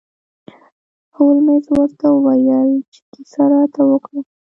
هولمز ورته وویل چې کیسه راته وکړه.